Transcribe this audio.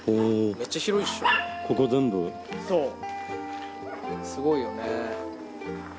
そうすごいよね。